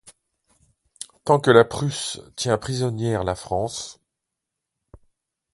Tant que la Prusse tient prisonnière la France